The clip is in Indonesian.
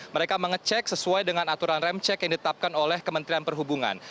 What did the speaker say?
mereka mengecek sesuai dengan aturan rem cek yang ditetapkan oleh kementerian perhubungan